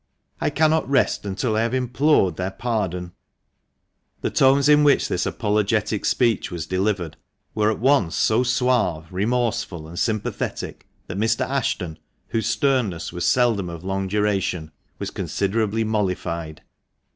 I cannot rest until I have implored their pardon !" The tones in which this apolegetic speech was delivered were at once so suave, remorseful, and sympathetic that Mr. Ashton, whose sternness was seldom of long duration, was considerably mollified.